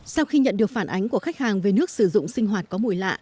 sau khi nhận được phản ánh của khách hàng về nước sử dụng sinh hoạt có mùi lạ